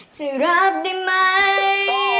ถั้งรักได้ไหม